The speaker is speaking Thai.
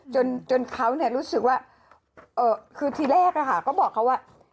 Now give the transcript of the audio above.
จนเขาเนี่ยรู้สึกว่าคือที่แรกอะค่ะก็บอกเขาว่า